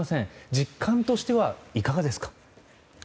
実感としてはいかがですか？